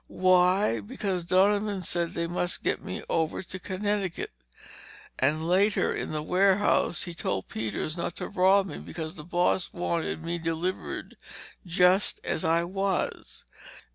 "Why? Because Donovan said they must get me over to Connecticut. And later, in the warehouse, he told Peters not to rob me because the boss wanted me delivered just as I was.